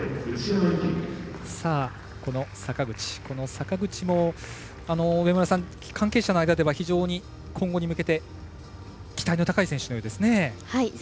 坂口も関係者の間では非常に今後に向けて期待の高い選手のようですね。